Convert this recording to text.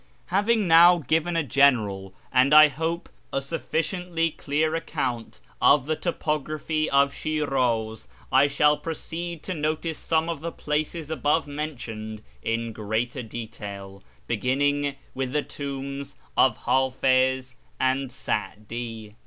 Having now given a general, and, I hope, a sufficiently clear account of the topography of Shi'raz, I shall proceed to notice some of the places above mentioned in greater detail, beginning with the tombs of Htifiz and Sa'di.